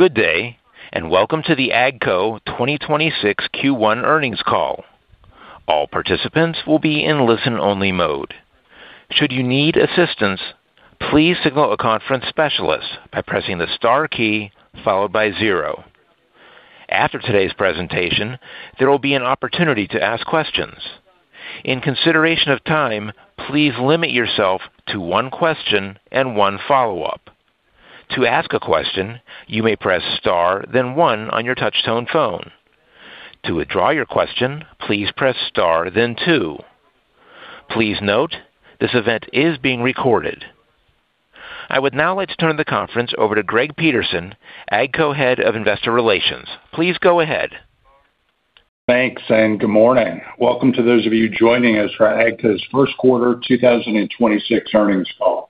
Good day, and Welcome to the AGCO 2026 Q1 Earnings Call. All participants will be in listen only mode. [Should you need assistance, please signal a conference specialist by pressing the Star key followed by zero. After today's presentation, there will be an opportunity to ask questions. In consideration of time, please limit yourself to one question and one follow up. To ask a question, you may press start then one on your touchtone phone. To withdraw your question, please press Star then two. Please note this event is being recorded.] I would now like to turn the conference over to Greg Peterson, AGCO Head of Investor Relations. Please go ahead. Thanks, good morning. Welcome to those of you joining us for AGCO's first quarter 2026 earnings call.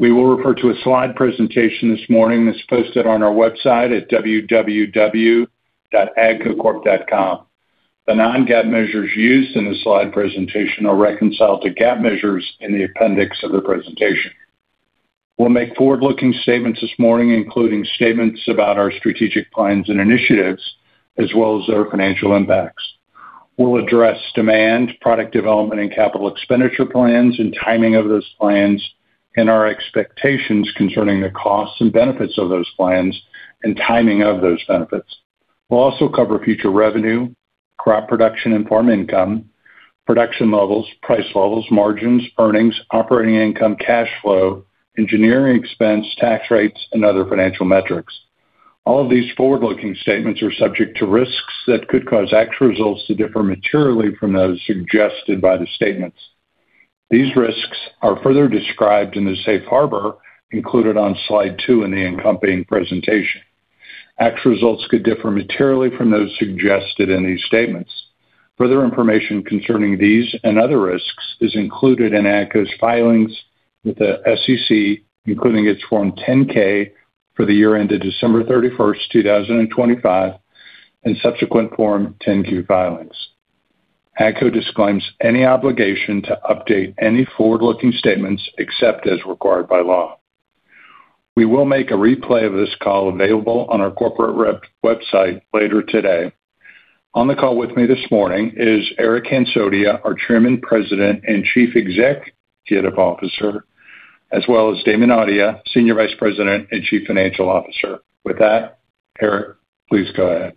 We will refer to a slide presentation this morning that's posted on our website at www.agcocorp.com. The non-GAAP measures used in the slide presentation are reconciled to GAAP measures in the appendix of the presentation. We'll make forward-looking statements this morning, including statements about our strategic plans and initiatives as well as their financial impacts. We'll address demand, product development and capital expenditure plans and timing of those plans, and our expectations concerning the costs and benefits of those plans and timing of those benefits. We'll also cover future revenue, crop production and farm income, production levels, price levels, margins, earnings, operating income, cash flow, engineering expense, tax rates, and other financial metrics. All of these forward-looking statements are subject to risks that could cause actual results to differ materially from those suggested by the statements. These risks are further described in the safe harbor included on slide 2 in the accompanying presentation. Actual results could differ materially from those suggested in these statements. Further information concerning these and other risks is included in AGCO's filings with the SEC, including its Form 10-K for the year ended December 31st, 2025, and subsequent Form 10-Q filings. AGCO disclaims any obligation to update any forward-looking statements except as required by law. We will make a replay of this call available on our corporate website later today. On the call with me this morning is Eric Hansotia, our Chairman, President, and Chief Executive Officer, as well as Damon Audia, Senior Vice President and Chief Financial Officer. With that, Eric, please go ahead.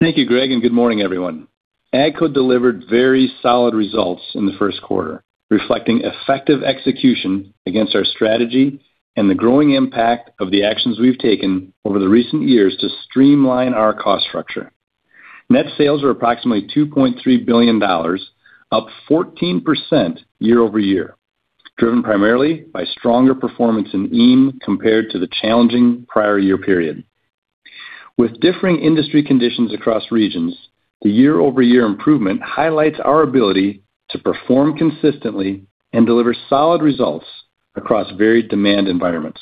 Thank you, Greg. Good morning, everyone. AGCO delivered very solid results in the first quarter, reflecting effective execution against our strategy and the growing impact of the actions we've taken over the recent years to streamline our cost structure. Net sales are approximately $2.3 billion, up 14% year-over-year, driven primarily by stronger performance in EME compared to the challenging prior year period. With differing industry conditions across regions, the year-over-year improvement highlights our ability to perform consistently and deliver solid results across varied demand environments.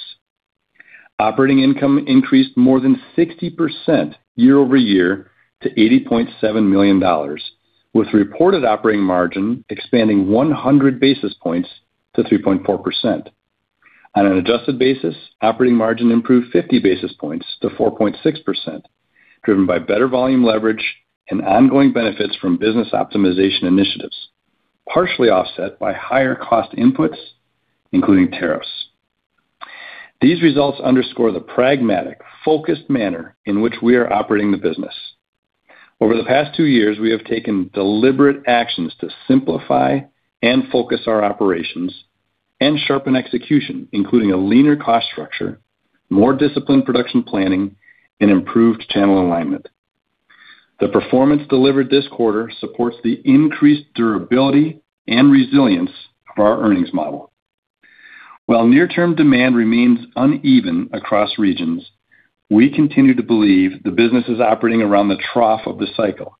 Operating income increased more than 60% year-over-year to $80.7 million, with reported operating margin expanding 100 basis points to 3.4%. On an adjusted basis, operating margin improved 50 basis points to 4.6%, driven by better volume leverage and ongoing benefits from business optimization initiatives, partially offset by higher cost inputs, including tariffs. These results underscore the pragmatic, focused manner in which we are operating the business. Over the past 2 years, we have taken deliberate actions to simplify and focus our operations and sharpen execution, including a leaner cost structure, more disciplined production planning, and improved channel alignment. The performance delivered this quarter supports the increased durability and resilience of our earnings model. While near-term demand remains uneven across regions, we continue to believe the business is operating around the trough of the cycle,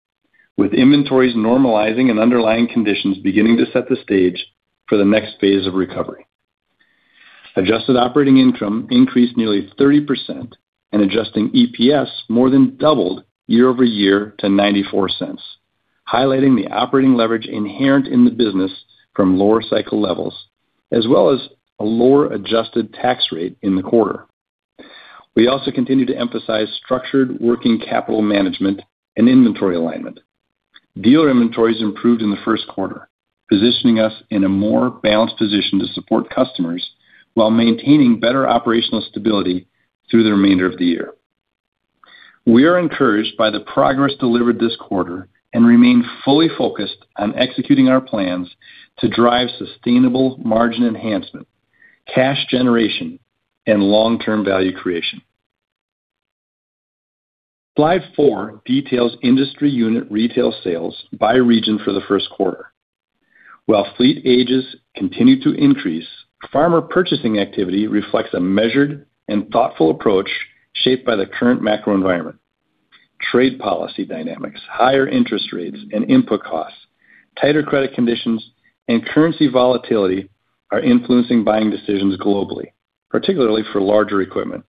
with inventories normalizing and underlying conditions beginning to set the stage for the next phase of recovery. Adjusted operating income increased nearly 30%, adjusted EPS more than doubled year-over-year to $0.94, highlighting the operating leverage inherent in the business from lower cycle levels as well as a lower adjusted tax rate in the quarter. We also continue to emphasize structured working capital management and inventory alignment. Dealer inventories improved in the first quarter, positioning us in a more balanced position to support customers while maintaining better operational stability through the remainder of the year. We are encouraged by the progress delivered this quarter and remain fully focused on executing our plans to drive sustainable margin enhancement, cash generation, and long-term value creation. Slide 4 details industry unit retail sales by region for the first quarter. While fleet ages continue to increase, farmer purchasing activity reflects a measured and thoughtful approach shaped by the current macro environment. Trade policy dynamics, higher interest rates and input costs, tighter credit conditions, and currency volatility are influencing buying decisions globally, particularly for larger equipment.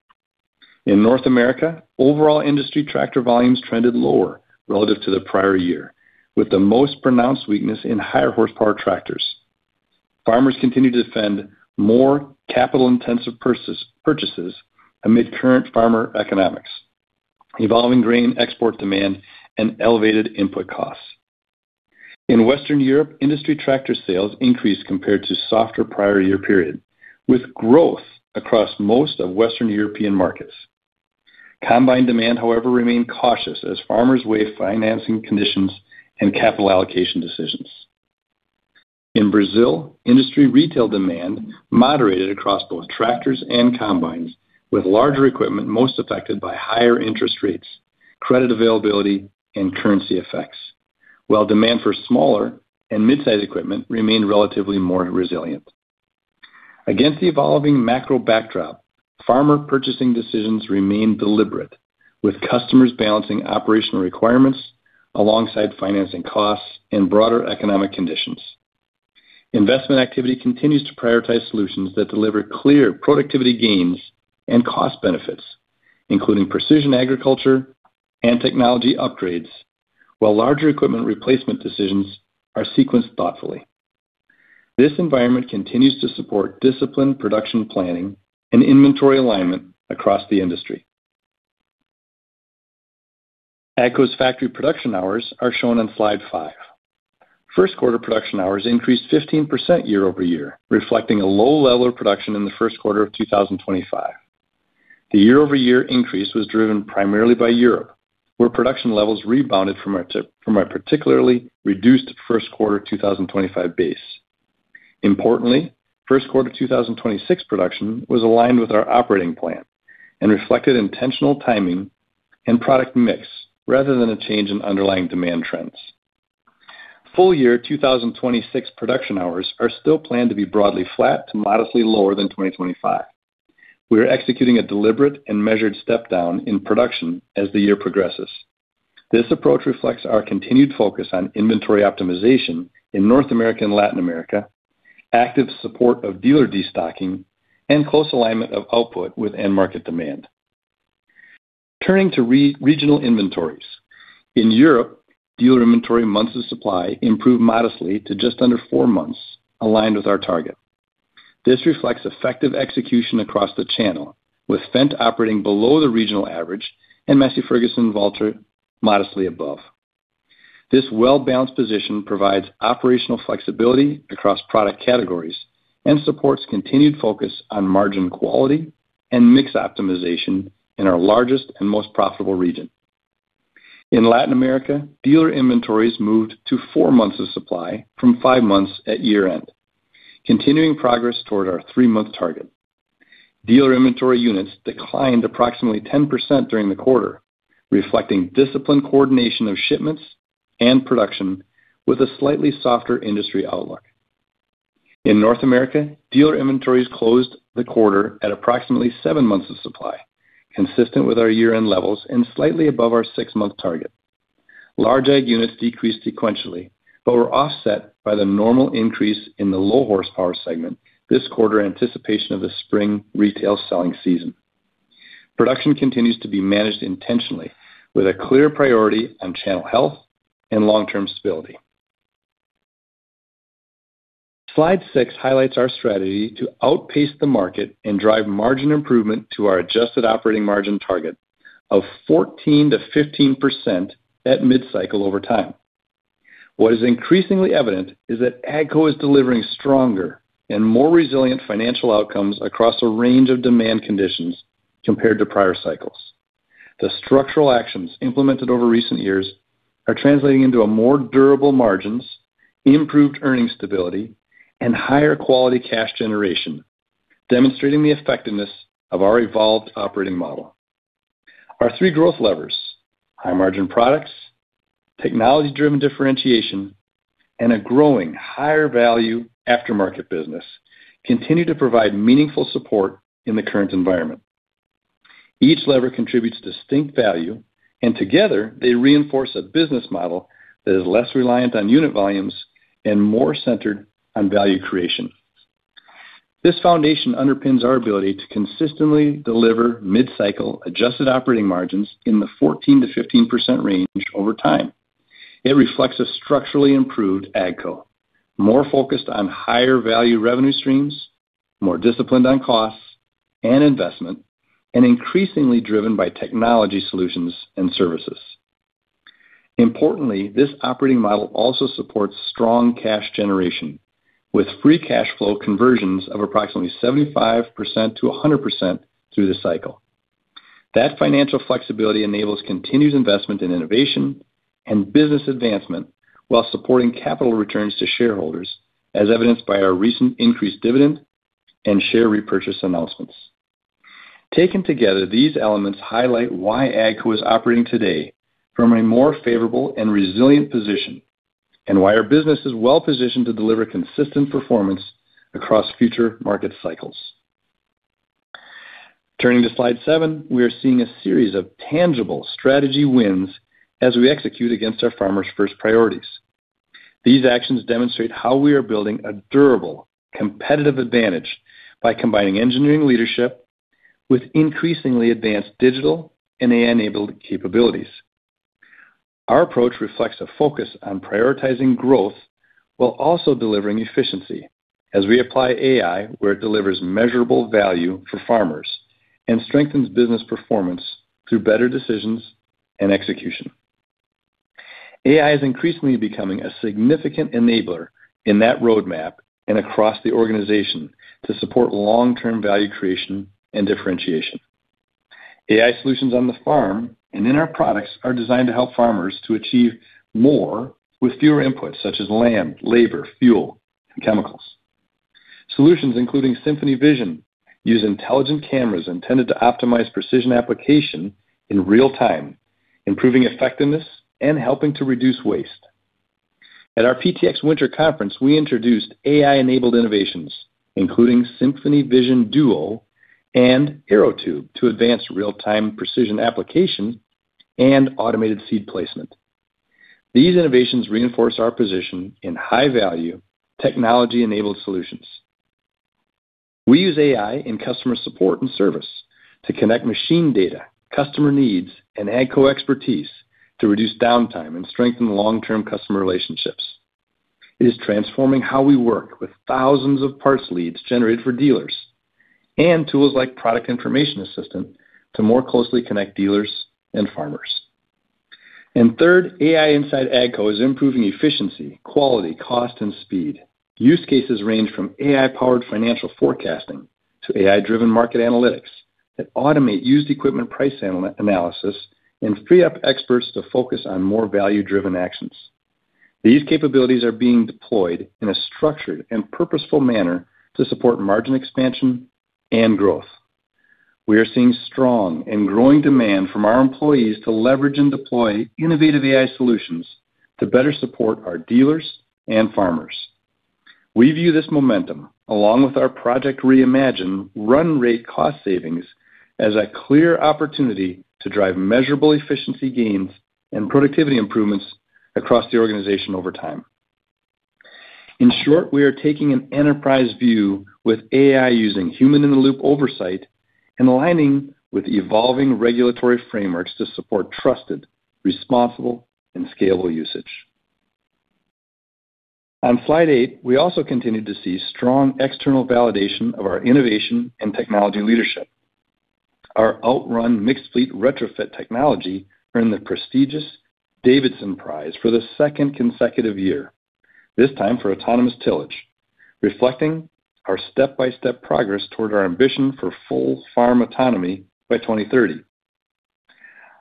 In North America, overall industry tractor volumes trended lower relative to the prior year, with the most pronounced weakness in higher horsepower tractors. Farmers continue to defend more capital-intensive purchases amid current farmer economics, evolving grain export demand, and elevated input costs. In Western Europe, industry tractor sales increased compared to softer prior year period, with growth across most of Western European markets. Combine demand, however, remained cautious as farmers weigh financing conditions and capital allocation decisions. In Brazil, industry retail demand moderated across both tractors and combines with larger equipment most affected by higher interest rates, credit availability, and currency effects. Demand for smaller and mid-size equipment remained relatively more resilient. Against the evolving macro backdrop, farmer purchasing decisions remain deliberate, with customers balancing operational requirements alongside financing costs and broader economic conditions. Investment activity continues to prioritize solutions that deliver clear productivity gains and cost benefits, including precision agriculture and technology upgrades, while larger equipment replacement decisions are sequenced thoughtfully. This environment continues to support disciplined production planning and inventory alignment across the industry. AGCO's factory production hours are shown on slide 5. First quarter production hours increased 15% year-over-year, reflecting a low level of production in the first quarter of 2025. The year-over-year increase was driven primarily by Europe, where production levels rebounded from a particularly reduced first-quarter 2025 base. Importantly, 1st quarter 2026 production was aligned with our operating plan and reflected intentional timing and product mix rather than a change in underlying demand trends. Full year 2026 production hours are still planned to be broadly flat to modestly lower than 2025. We are executing a deliberate and measured step-down in production as the year progresses. This approach reflects our continued focus on inventory optimization in North America and Latin America, active support of dealer destocking, and close alignment of output with end market demand. Turning to regional inventories. In Europe, dealer inventory months of supply improved modestly to just under 4 months, aligned with our target. This reflects effective execution across the channel, with Fendt operating below the regional average and Massey Ferguson, Valtra modestly above. This well-balanced position provides operational flexibility across product categories and supports continued focus on margin quality and mix optimization in our largest and most profitable region. In Latin America, dealer inventories moved to 4 months of supply from 5 months at year-end, continuing progress toward our 3-month target. Dealer inventory units declined approximately 10% during the quarter, reflecting disciplined coordination of shipments and production with a slightly softer industry outlook. In North America, dealer inventories closed the quarter at approximately 7 months of supply, consistent with our year-end levels and slightly above our 6-month target. Large ag units decreased sequentially, but were offset by the normal increase in the low horsepower segment this quarter in anticipation of the spring retail selling season. Production continues to be managed intentionally with a clear priority on channel health and long-term stability. Slide 6 highlights our strategy to outpace the market and drive margin improvement to our adjusted operating margin target of 14%-15% at mid-cycle over time. What is increasingly evident is that AGCO is delivering stronger and more resilient financial outcomes across a range of demand conditions compared to prior cycles. The structural actions implemented over recent years are translating into more durable margins, improved earning stability, and higher quality cash generation, demonstrating the effectiveness of our evolved operating model. Our three growth levers, high-margin products, technology-driven differentiation, and a growing higher-value aftermarket business, continue to provide meaningful support in the current environment. Each lever contributes distinct value, and together they reinforce a business model that is less reliant on unit volumes and more centered on value creation. This foundation underpins our ability to consistently deliver mid-cycle adjusted operating margins in the 14%-15% range over time. It reflects a structurally improved AGCO, more focused on higher value revenue streams, more disciplined on costs and investment, and increasingly driven by technology solutions and services. Importantly, this operating model also supports strong cash generation with free cash flow conversions of approximately 75%-100% through the cycle. That financial flexibility enables continued investment in innovation and business advancement while supporting capital returns to shareholders, as evidenced by our recent increased dividend and share repurchase announcements. Taken together, these elements highlight why AGCO is operating today from a more favorable and resilient position, and why our business is well-positioned to deliver consistent performance across future market cycles. Turning to slide 7, we are seeing a series of tangible strategy wins as we execute against our farmers' first priorities. These actions demonstrate how we are building a durable competitive advantage by combining engineering leadership with increasingly advanced digital and AI-enabled capabilities. Our approach reflects a focus on prioritizing growth while also delivering efficiency as we apply AI where it delivers measurable value for farmers and strengthens business performance through better decisions and execution. AI is increasingly becoming a significant enabler in that roadmap and across the organization to support long-term value creation and differentiation. AI solutions on the farm and in our products are designed to help farmers to achieve more with fewer inputs such as land, labor, fuel, and chemicals. Solutions including SymphonyVision use intelligent cameras intended to optimize precision application in real time, improving effectiveness and helping to reduce waste. At our PTx Winter Conference, we introduced AI-enabled innovations, including SymphonyVision | Duo and ArrowTube to advance real-time precision application and automated seed placement. These innovations reinforce our position in high-value technology-enabled solutions. We use AI in customer support and service to connect machine data, customer needs, and AGCO expertise to reduce downtime and strengthen long-term customer relationships. It is transforming how we work with thousands of parts leads generated for dealers and tools like AGCO Sales Assistant to more closely connect dealers and farmers. Third, AI inside AGCO is improving efficiency, quality, cost, and speed. Use cases range from AI-powered financial forecasting to AI-driven market analytics that automate used equipment price analysis and free up experts to focus on more value-driven actions. These capabilities are being deployed in a structured and purposeful manner to support margin expansion and growth. We are seeing strong and growing demand from our employees to leverage and deploy innovative AI solutions to better support our dealers and farmers. We view this momentum, along with our Project Reimagine run rate cost savings as a clear opportunity to drive measurable efficiency gains and productivity improvements across the organization over time. In short, we are taking an enterprise view with AI using human-in-the-loop oversight and aligning with evolving regulatory frameworks to support trusted, responsible, and scalable usage. On slide 8, we also continue to see strong external validation of our innovation and technology leadership. Our Outrun mixed fleet retrofit technology earned the prestigious Davidson Prize for the second consecutive year, this time for autonomous tillage, reflecting our step-by-step progress toward our ambition for full farm autonomy by 2030.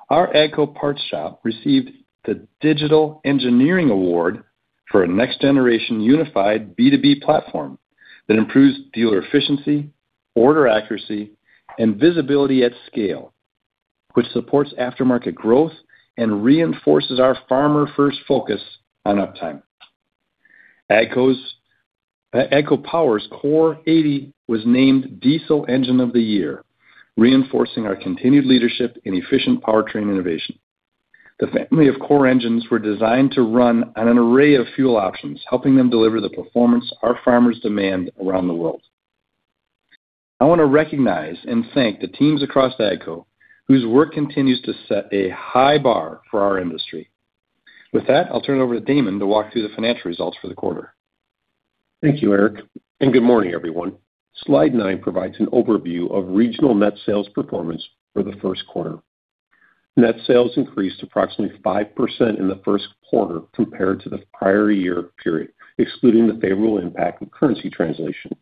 Our AGCO Parts Shop received the Digital Engineering Award for a next-generation unified B2B platform that improves dealer efficiency, order accuracy, and visibility at scale, which supports aftermarket growth and reinforces our farmer-first focus on uptime. AGCO's, AGCO Power's CORE80 was named Diesel Engine of the Year, reinforcing our continued leadership in efficient powertrain innovation. The family of CORE engines were designed to run on an array of fuel options, helping them deliver the performance our farmers demand around the world. I wanna recognize and thank the teams across AGCO whose work continues to set a high bar for our industry. With that, I'll turn it over to Damon to walk through the financial results for the quarter. Thank you, Eric. Good morning, everyone. Slide 9 provides an overview of regional net sales performance for the first quarter. Net sales increased approximately 5% in the first quarter compared to the prior year period, excluding the favorable impact of currency translation.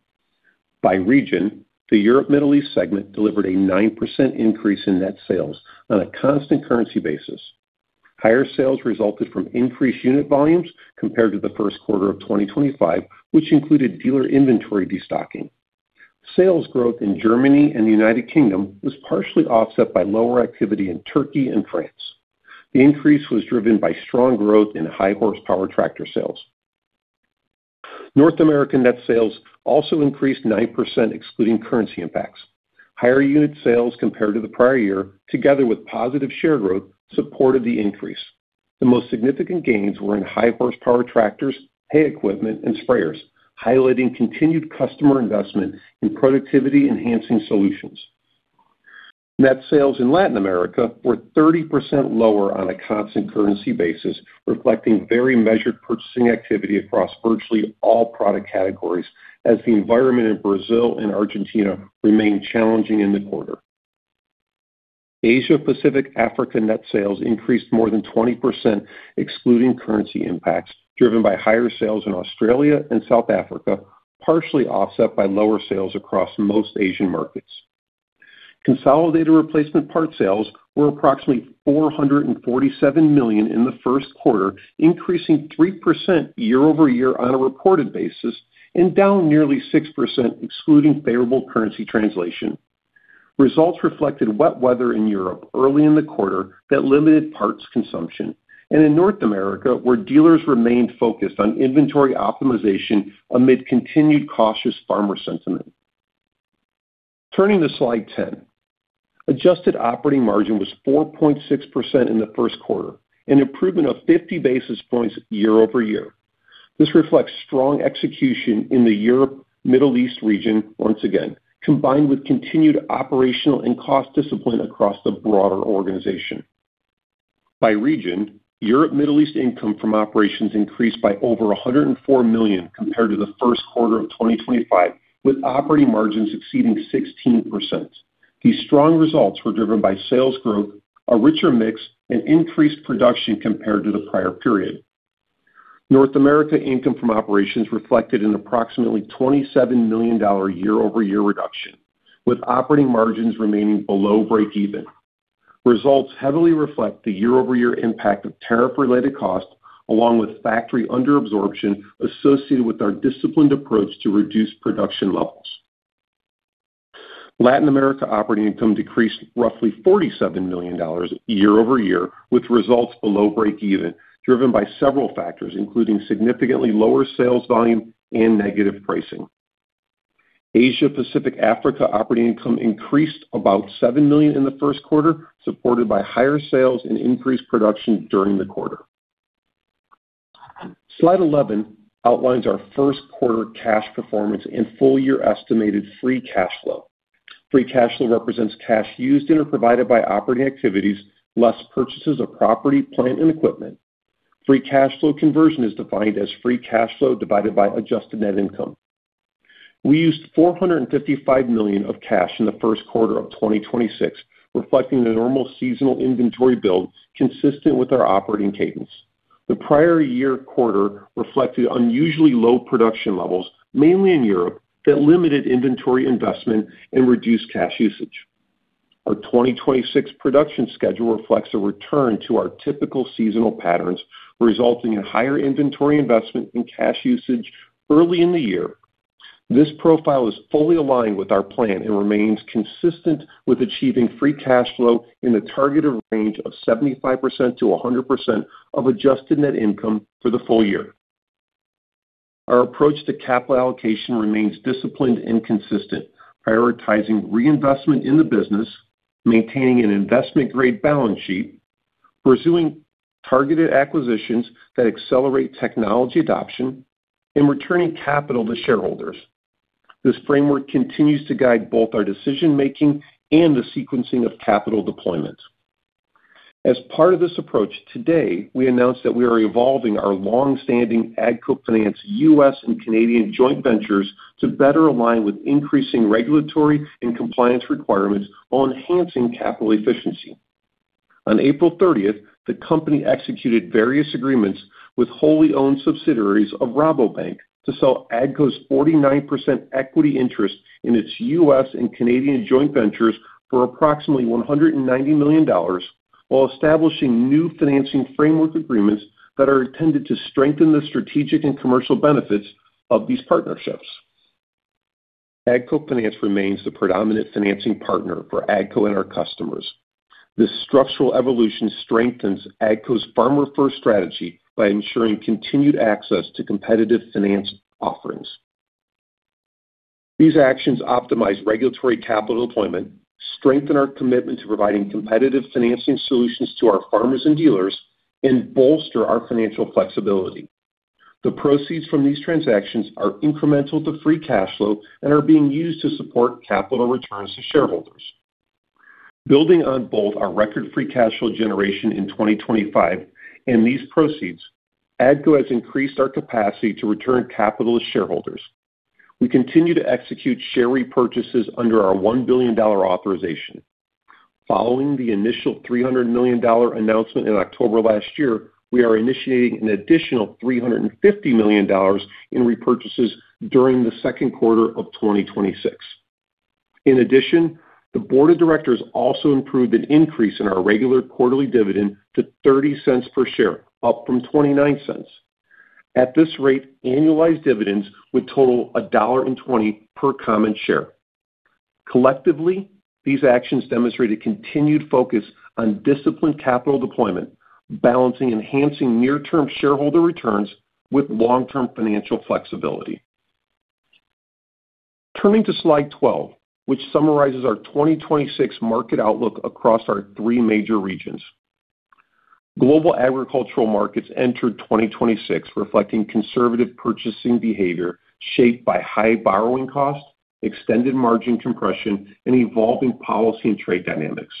By region, the Europe Middle East segment delivered a 9% increase in net sales on a constant currency basis. Higher sales resulted from increased unit volumes compared to the first quarter of 2025, which included dealer inventory destocking. Sales growth in Germany and the U.K. was partially offset by lower activity in Turkey and France. The increase was driven by strong growth in high horsepower tractor sales. North American net sales also increased 9% excluding currency impacts. Higher unit sales compared to the prior year, together with positive share growth, supported the increase. The most significant gains were in high horsepower tractors, hay equipment, and sprayers, highlighting continued customer investment in productivity-enhancing solutions. Net sales in Latin America were 30% lower on a constant currency basis, reflecting very measured purchasing activity across virtually all product categories as the environment in Brazil and Argentina remained challenging in the quarter. Asia Pacific Africa net sales increased more than 20% excluding currency impacts, driven by higher sales in Australia and South Africa, partially offset by lower sales across most Asian markets. Consolidated replacement part sales were approximately $447 million in the first quarter, increasing 3% year-over-year on a reported basis and down nearly 6% excluding favorable currency translation. Results reflected wet weather in Europe early in the quarter that limited parts consumption, and in North America, where dealers remained focused on inventory optimization amid continued cautious farmer sentiment. Turning to slide 10. Adjusted operating margin was 4.6% in the first quarter, an improvement of 50 basis points year-over-year. This reflects strong execution in the Europe, Middle East region once again, combined with continued operational and cost discipline across the broader organization. By region, Europe Middle East income from operations increased by over $104 million compared to the first quarter of 2025, with operating margins exceeding 16%. These strong results were driven by sales growth, a richer mix, and increased production compared to the prior period. North America income from operations reflected an approximately $27 million year-over-year reduction, with operating margins remaining below breakeven. Results heavily reflect the year-over-year impact of tariff-related costs along with factory under-absorption associated with our disciplined approach to reduced production levels. Latin America operating income decreased roughly $47 million year-over-year, with results below breakeven, driven by several factors, including significantly lower sales volume and negative pricing. Asia-Pacific Africa operating income increased about $7 million in the first quarter, supported by higher sales and increased production during the quarter. Slide 11 outlines our first quarter cash performance and full-year estimated free cash flow. Free cash flow represents cash used in or provided by operating activities, less purchases of property, plant, and equipment. Free cash flow conversion is defined as free cash flow divided by adjusted net income. We used $455 million of cash in the first quarter of 2026, reflecting the normal seasonal inventory build consistent with our operating cadence. The prior year quarter reflected unusually low production levels, mainly in Europe, that limited inventory investment and reduced cash usage. Our 2026 production schedule reflects a return to our typical seasonal patterns, resulting in higher inventory investment and cash usage early in the year. This profile is fully aligned with our plan and remains consistent with achieving free cash flow in the targeted range of 75%-100% of adjusted net income for the full year. Our approach to capital allocation remains disciplined and consistent, prioritizing reinvestment in the business, maintaining an investment-grade balance sheet, pursuing targeted acquisitions that accelerate technology adoption, and returning capital to shareholders. This framework continues to guide both our decision-making and the sequencing of capital deployment. As part of this approach, today, we announced that we are evolving our long-standing AGCO Finance U.S. and Canadian joint ventures to better align with increasing regulatory and compliance requirements while enhancing capital efficiency. On April thirtieth, the company executed various agreements with wholly owned subsidiaries of Rabobank to sell AGCO's 49% equity interest in its U.S. and Canadian joint ventures for approximately $190 million while establishing new financing framework agreements that are intended to strengthen the strategic and commercial benefits of these partnerships. AGCO Finance remains the predominant financing partner for AGCO and our customers. This structural evolution strengthens AGCO's farmer-first strategy by ensuring continued access to competitive finance offerings. These actions optimize regulatory capital deployment, strengthen our commitment to providing competitive financing solutions to our farmers and dealers, and bolster our financial flexibility. The proceeds from these transactions are incremental to free cash flow and are being used to support capital returns to shareholders. Building on both our record free cash flow generation in 2025 and these proceeds, AGCO has increased our capacity to return capital to shareholders. We continue to execute share repurchases under our $1 billion authorization. Following the initial $300 million announcement in October last year, we are initiating an additional $350 million in repurchases during the second quarter of 2026. In addition, the board of directors also approved an increase in our regular quarterly dividend to $0.30 per share, up from $0.29. At this rate, annualized dividends would total $1.20 per common share. Collectively, these actions demonstrate a continued focus on disciplined capital deployment, balancing enhancing near-term shareholder returns with long-term financial flexibility. Turning to slide 12, which summarizes our 2026 market outlook across our three major regions. Global agricultural markets entered 2026 reflecting conservative purchasing behavior shaped by high borrowing costs, extended margin compression, and evolving policy and trade dynamics.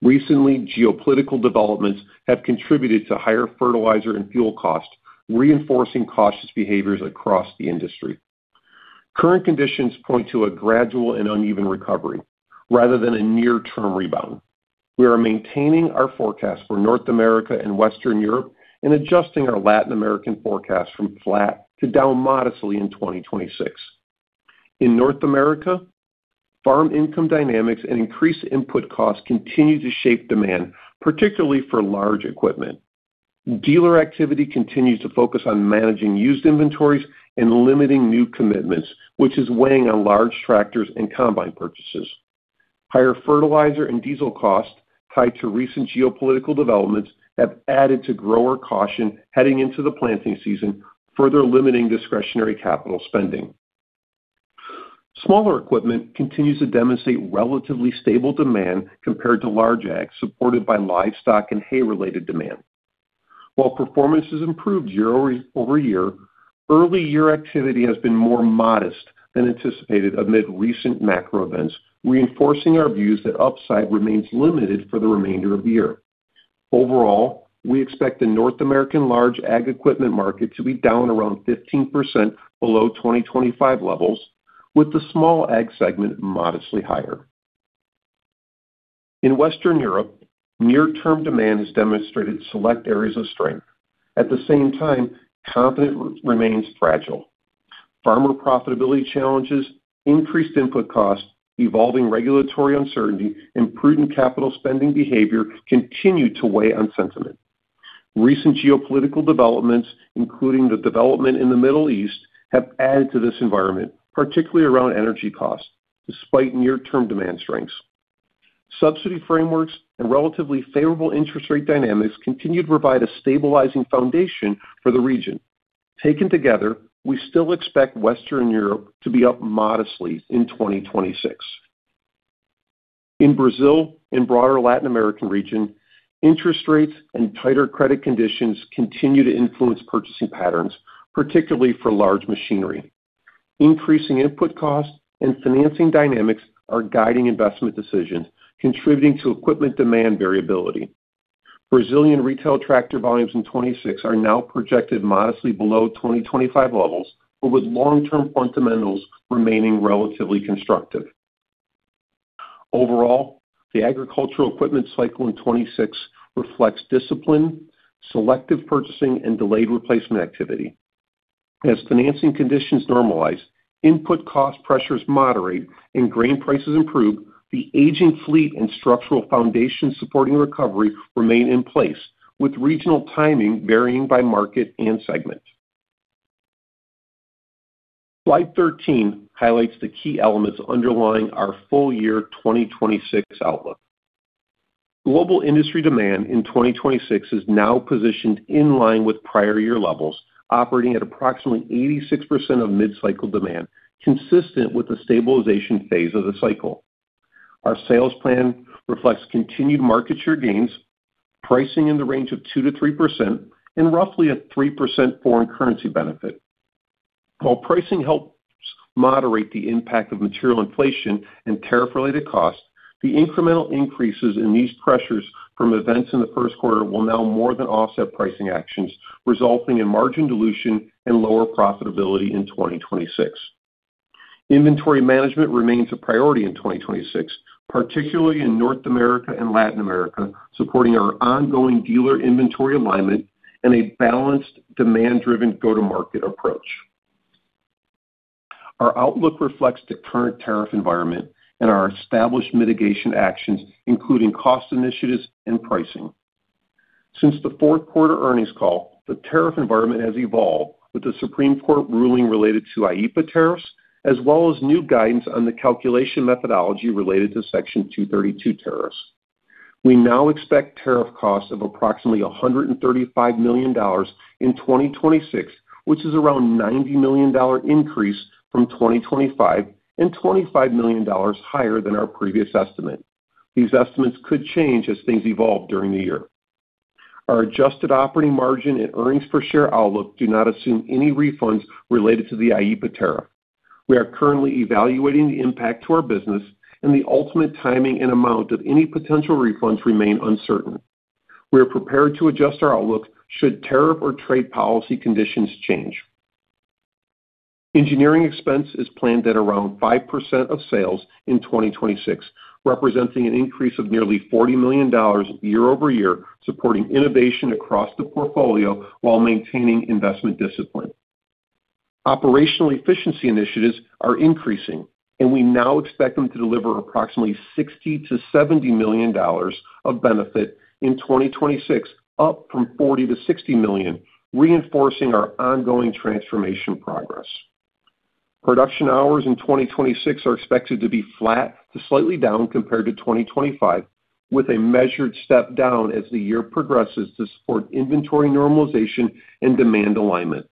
Recently, geopolitical developments have contributed to higher fertilizer and fuel costs, reinforcing cautious behaviors across the industry. Current conditions point to a gradual and uneven recovery rather than a near-term rebound. We are maintaining our forecast for North America and Western Europe and adjusting our Latin American forecast from flat to down modestly in 2026. In North America, farm income dynamics and increased input costs continue to shape demand, particularly for large equipment. Dealer activity continues to focus on managing used inventories and limiting new commitments, which is weighing on large tractors and combine purchases. Higher fertilizer and diesel costs tied to recent geopolitical developments have added to grower caution heading into the planting season, further limiting discretionary capital spending. Smaller equipment continues to demonstrate relatively stable demand compared to large ag, supported by livestock and hay-related demand. While performance has improved year-over-year, early year activity has been more modest than anticipated amid recent macro events, reinforcing our views that upside remains limited for the remainder of the year. Overall, we expect the North American large ag equipment market to be down around 15% below 2025 levels, with the small ag segment modestly higher. In Western Europe, near-term demand has demonstrated select areas of strength. At the same time, confidence remains fragile. Farmer profitability challenges, increased input costs, evolving regulatory uncertainty and prudent capital spending behavior continue to weigh on sentiment. Recent geopolitical developments, including the development in the Middle East, have added to this environment, particularly around energy costs, despite near-term demand strengths. Subsidy frameworks and relatively favorable interest rate dynamics continue to provide a stabilizing foundation for the region. Taken together, we still expect Western Europe to be up modestly in 2026. In Brazil and broader Latin American region, interest rates and tighter credit conditions continue to influence purchasing patterns, particularly for large machinery. Increasing input costs and financing dynamics are guiding investment decisions, contributing to equipment demand variability. Brazilian retail tractor volumes in 2026 are now projected modestly below 2025 levels, but with long-term fundamentals remaining relatively constructive. Overall, the agricultural equipment cycle in 2026 reflects discipline, selective purchasing and delayed replacement activity. As financing conditions normalize, input cost pressures moderate and grain prices improve, the aging fleet and structural foundation supporting recovery remain in place, with regional timing varying by market and segment. Slide 13 highlights the key elements underlying our full year 2026 outlook. Global industry demand in 2026 is now positioned in line with prior year levels, operating at approximately 86% of mid-cycle demand, consistent with the stabilization phase of the cycle. Our sales plan reflects continued market share gains, pricing in the range of 2%-3% and roughly a 3% foreign currency benefit. While pricing helps moderate the impact of material inflation and tariff-related costs, the incremental increases in these pressures from events in the first quarter will now more than offset pricing actions, resulting in margin dilution and lower profitability in 2026. Inventory management remains a priority in 2026, particularly in North America and Latin America, supporting our ongoing dealer inventory alignment and a balanced demand-driven go-to-market approach. Our outlook reflects the current tariff environment and our established mitigation actions, including cost initiatives and pricing. Since the fourth quarter earnings call, the tariff environment has evolved with the Supreme Court ruling related to IEEPA tariffs, as well as new guidance on the calculation methodology related to Section 232 tariffs. We now expect tariff costs of approximately $135 million in 2026, which is around $90 million increase from 2025 and $25 million higher than our previous estimate. These estimates could change as things evolve during the year. Our adjusted operating margin and earnings per share outlook do not assume any refunds related to the IEEPA tariff. We are currently evaluating the impact to our business and the ultimate timing and amount of any potential refunds remain uncertain. We are prepared to adjust our outlook should tariff or trade policy conditions change. Engineering expense is planned at around 5% of sales in 2026, representing an increase of nearly $40 million year-over-year, supporting innovation across the portfolio while maintaining investment discipline. Operational efficiency initiatives are increasing. We now expect them to deliver approximately $60 million-$70 million of benefit in 2026, up from $40 million-$60 million, reinforcing our ongoing transformation progress. Production hours in 2026 are expected to be flat to slightly down compared to 2025, with a measured step down as the year progresses to support inventory normalization and demand alignment.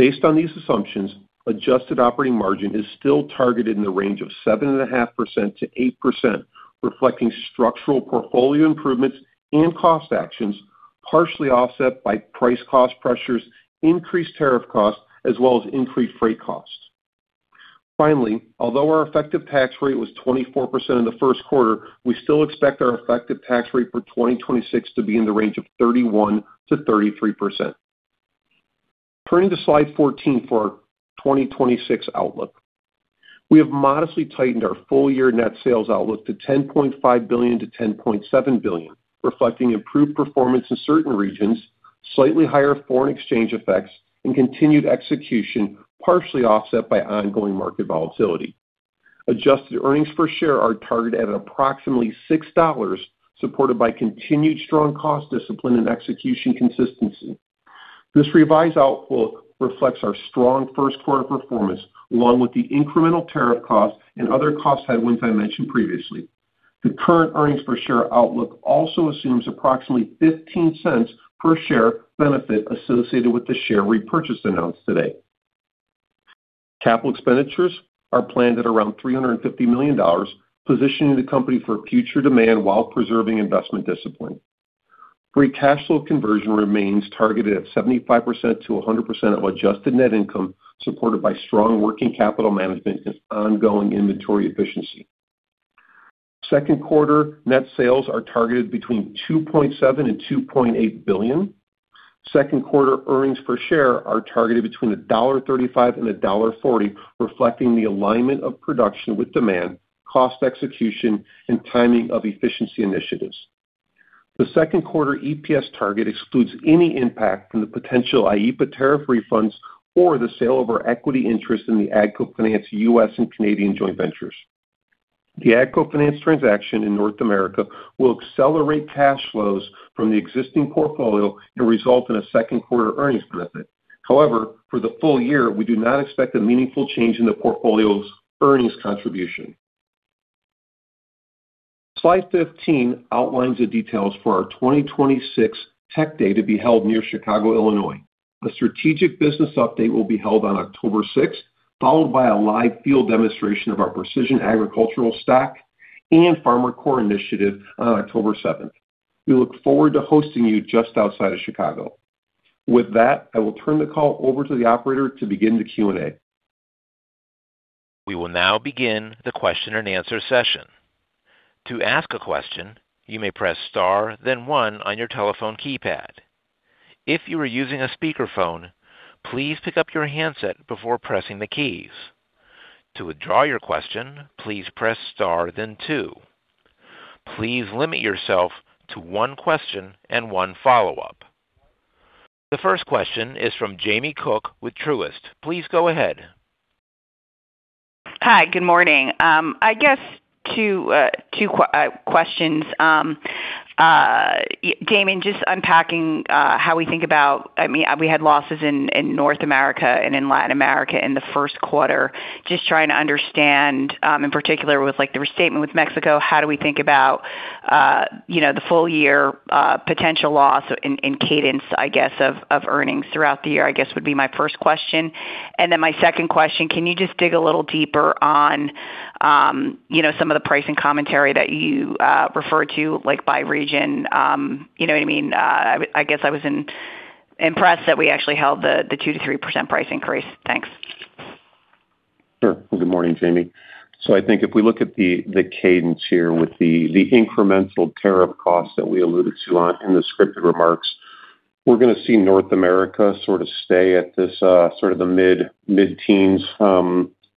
Based on these assumptions, adjusted operating margin is still targeted in the range of 7.5%-8%, reflecting structural portfolio improvements and cost actions, partially offset by price cost pressures, increased tariff costs, as well as increased freight costs. [Finally,] although our effective tax rate was 24% in the first quarter, we still expect our effective tax rate for 2026 to be in the range of 31%-33%. Turning to slide 14 for our 2026 outlook. We have modestly tightened our full year net sales outlook to $10.5 billion-$10.7 billion, reflecting improved performance in certain regions, slightly higher foreign exchange effects and continued execution, partially offset by ongoing market volatility. Adjusted earnings per share are targeted at approximately $6, supported by continued strong cost discipline and execution consistency. This revised outlook reflects our strong first quarter performance, along with the incremental tariff costs and other cost headwinds I mentioned previously. The current earnings per share outlook also assumes approximately $0.15 per share benefit associated with the share repurchase announced today. Capital expenditures are planned at around $350 million, positioning the company for future demand while preserving investment discipline. Free cash flow conversion remains targeted at 75%-100% of adjusted net income, supported by strong working capital management and ongoing inventory efficiency. Second quarter net sales are targeted between $2.7 billion and $2.8 billion. Second quarter earnings per share are targeted between $1.35 and $1.40, reflecting the alignment of production with demand, cost execution, and timing of efficiency initiatives. The second quarter EPS target excludes any impact from the potential IEEPA tariff refunds or the sale of our equity interest in the AGCO Finance U.S. and Canadian joint ventures. The AGCO Finance transaction in North America will accelerate cash flows from the existing portfolio and result in a second-quarter earnings benefit. However, for the full year, we do not expect a meaningful change in the portfolio's earnings contribution. Slide 15 outlines the details for our 2026 Tech Day to be held near Chicago, Illinois. A strategic business update will be held on October sixth, followed by a live field demonstration of our precision agricultural stack and FarmerCore initiative on October seventh. We look forward to hosting you just outside of Chicago. With that, I will turn the call over to the operator to begin the Q&A. [We will now begin the question and answer session. To ask a question, you may press Star then one on your telephone keypad. If you are using a speakerphone, please pick up your handset before pressing the keys. To withdraw your question, please press Start then two. Please limit yourself to one question and one follow up.] The first question is from Jamie Cook with Truist. Please go ahead. Hi. Good morning. I guess two questions. Damon Audia, just unpacking how we think about, I mean, we had losses in North America and in Latin America in the first quarter. Just trying to understand, in particular with like the restatement with Mexico, how do we think about, you know, the full year potential loss in cadence, I guess, of earnings throughout the year, I guess would be my first question. My second question, can you just dig a little deeper on, you know, some of the pricing commentary that you referred to like by region? You know what I mean? I guess I was impressed that we actually held the 2%-3% price increase. Thanks. Sure. Good morning, Jamie. I think if we look at the cadence here with the incremental tariff cost that we alluded to in the scripted remarks, we're gonna see North America sort of stay at this sort of the mid-teens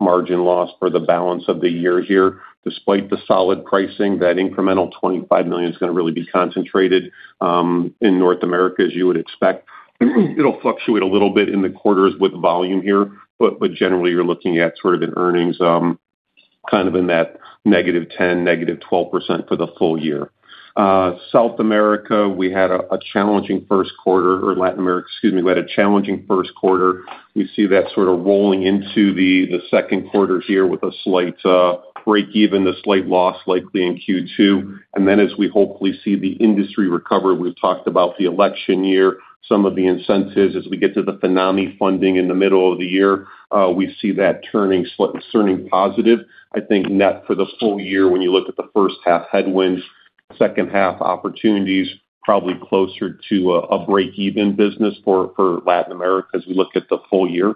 margin loss for the balance of the year here. Despite the solid pricing, that incremental $25 million is gonna really be concentrated in North America, as you would expect. It'll fluctuate a little bit in the quarters with volume here, but generally, you're looking at sort of an earnings kind of in that -10%, -12% for the full year. South America, we had a challenging first quarter or Latin America, excuse me, we had a challenging first quarter. We see that sort of rolling into the second quarter here with a slight break-even, a slight loss likely in Q2. Then as we hopefully see the industry recover, we've talked about the election year, some of the incentives as we get to the FINAME funding in the middle of the year, we see that turning positive. I think net for the full year, when you look at the first half headwinds, second half opportunities, probably closer to a break-even business for Latin America as we look at the full year.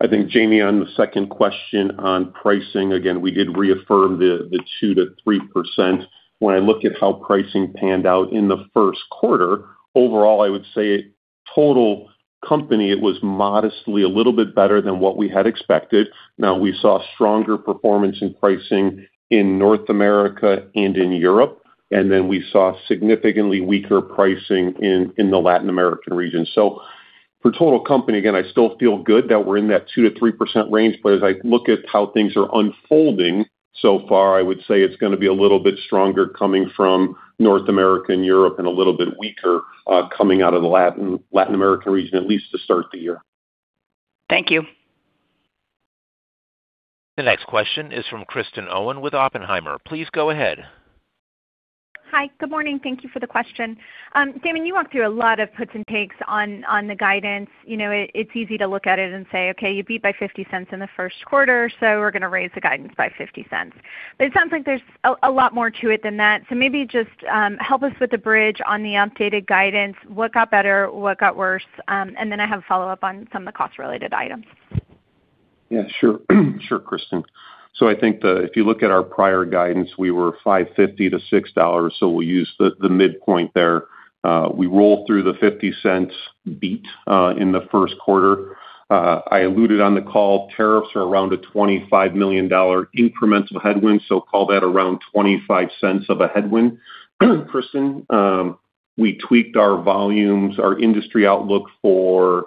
I think, Jamie, on the second question on pricing, again, we did reaffirm the 2%-3%. When I look at how pricing panned out in the first quarter, overall, I would say total company, it was modestly a little bit better than what we had expected. We saw stronger performance in pricing in North America and in Europe, then we saw significantly weaker pricing in the Latin American region. For total company, again, I still feel good that we're in that 2%-3% range, but as I look at how things are unfolding so far, I would say it's gonna be a little bit stronger coming from North America and Europe and a little bit weaker coming out of the Latin American region, at least to start the year. Thank you. The next question is from Kristen Owen with Oppenheimer. Please go ahead. Hi. Good morning. Thank you for the question. Damon, you walked through a lot of puts and takes on the guidance. You know, it's easy to look at it and say, "Okay, you beat by $0.50 in the first quarter, we're going to raise the guidance by $0.50." It sounds like there's a lot more to it than that. Maybe just help us with the bridge on the updated guidance. What got better? What got worse? I have a follow-up on some of the cost-related items. Sure. Sure, Kristen. I think if you look at our prior guidance, we were $5.50-$6.00, so we'll use the midpoint there. We rolled through the $0.50 beat in the first quarter. I alluded on the call, tariffs are around a $25 million incremental headwind, so call that around $0.25 of a headwind. Kristen, we tweaked our volumes, our industry outlook for